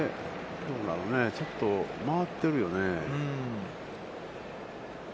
ちょっと回ってるよね。